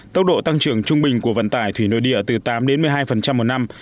tốc độ tăng trưởng trung bình của vận tải thủy nội địa từ tám một mươi hai một năm